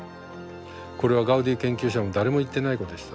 これはガウディ研究者も誰も言ってないことでした。